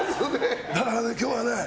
だからね今日はね